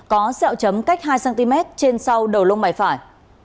có xeo chấm cách hai cm trên sau đầu lông mày phải